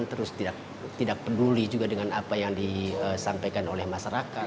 terus tidak peduli juga dengan apa yang disampaikan oleh masyarakat